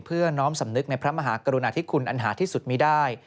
เพื่อน้อมสำนึกในพระมหากรุณาธิคุณอันหาที่สุดมีได้